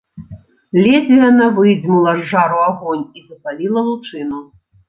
Ледзьве яна выдзьмула з жару агонь і запаліла лучыну.